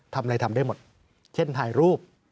ทำอะไรทำได้หมดเช่นถ่ายรูป